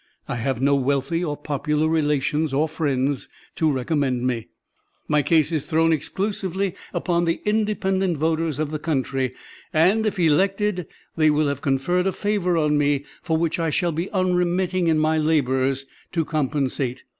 I have no wealthy or popular relations or friends to recommend me. My case is thrown exclusively upon the independent voters of the country; and, if elected, they will have conferred a favor on me for which I shall be unremitting in my labors to compensate.